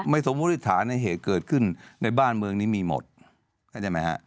สมมุติฐานในเหตุเกิดขึ้นในบ้านเมืองนี้มีหมดเข้าใจไหมฮะ